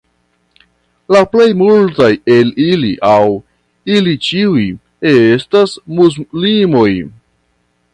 La plej multaj el ili aŭ ili ĉiuj estas muslimoj.